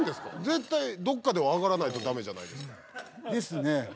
絶対どっかでは上がらないとダメじゃないですか